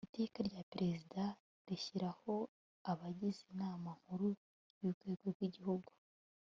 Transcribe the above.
iteka rya perezida rishyiraho abagize inama nkuru y urwego rw igihugu